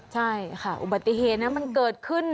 ใช่ค่ะอุบัติเหตุนะมันเกิดขึ้น